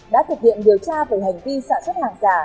đã thực hiện điều tra về hành vi sản xuất hàng giả